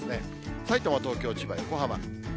さいたま、東京、千葉、横浜。